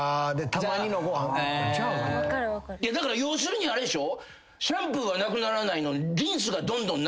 だから要するにあれでしょ？